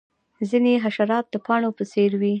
ځینې حشرات د پاڼو په څیر وي